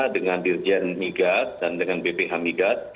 dengan dirjen migat dan dengan bph migat